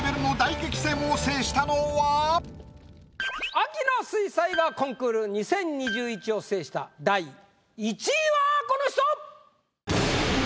秋の水彩画コンクール２０２１を制した第１位はこの人！